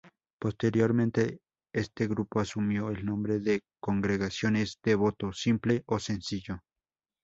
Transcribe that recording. Posteriormente este grupo asumió el nombre de congregaciones de voto simple o sencillo.